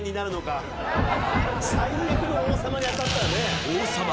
最悪の王様に当たったらね。